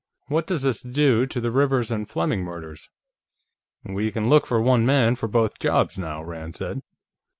"What does this do to the Rivers and Fleming murders?" "We can look for one man for both jobs, now," Rand said.